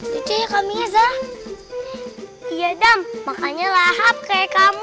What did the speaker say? nih makan tuh kan udah makan dong